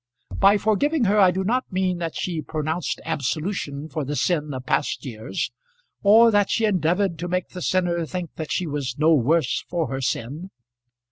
By forgiving her I do not mean that she pronounced absolution for the sin of past years, or that she endeavoured to make the sinner think that she was no worse for her sin.